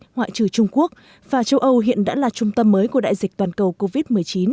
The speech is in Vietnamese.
ngoại trừ trung quốc và châu âu hiện đã là trung tâm mới của đại dịch toàn cầu covid một mươi chín